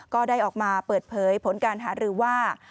ก็ได้ออกมาเปิดเผยผลการหารือว่า